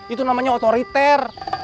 itu namanya otoriter